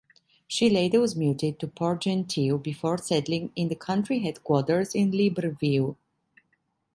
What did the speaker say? She later was muted to Port-Gentil before settling in the country headquarters in Libreville.